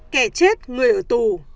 kẻ chết người ở tù